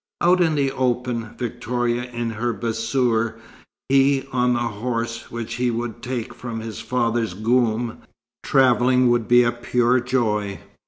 Out in the open, Victoria in her bassour, he on the horse which he would take from his father's goum, travelling would be pure joy.